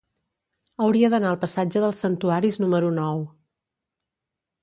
Hauria d'anar al passatge dels Santuaris número nou.